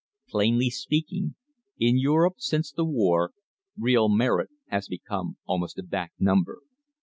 Plainly speaking, in Europe since the war, real merit has become almost a back number.